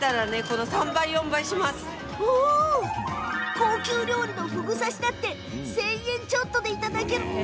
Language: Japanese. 高級料理のふぐ刺しだって１０００円ちょっとでいただけます。